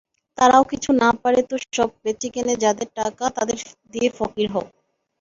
তারাও কিছু না পারে তো সব বেচে-কিনে যাদের টাকা তাদের দিয়ে ফকির হও।